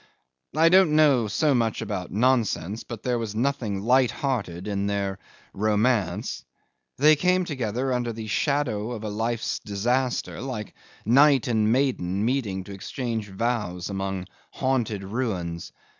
I don't know so much about nonsense, but there was nothing light hearted in their romance: they came together under the shadow of a life's disaster, like knight and maiden meeting to exchange vows amongst haunted ruins.